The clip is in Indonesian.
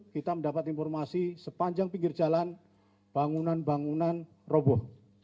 kita mendapat informasi sepanjang pinggir jalan bangunan bangunan roboh